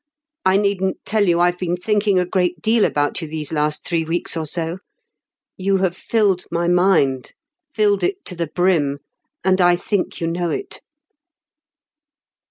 I needn't tell you I've been thinking a great deal about you these last three weeks or so. You have filled my mind; filled it to the brim, and I think you know it."